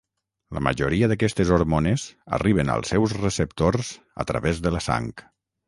La majoria d'aquestes hormones arriben als seus receptors a través de la sang.